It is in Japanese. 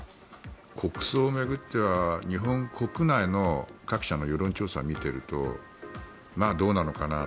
国葬を巡っては日本国内の各社の世論調査を見ているとまあ、どうなのかな。